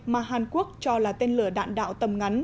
mà hàn quốc cho là tên lửa đạn đạo tầm ngắn